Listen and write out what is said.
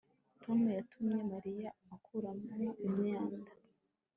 tom yatumye mariya akuramo imyanda